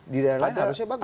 di daerah lain harusnya bagus